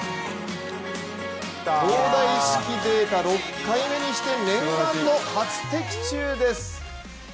東大式データ、６回目にして念願の初的中です。